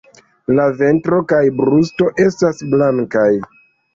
La ventro kaj brusto estas blankaj.